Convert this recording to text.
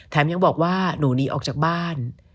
ยังบอกว่าหนูหนีออกจากบ้าน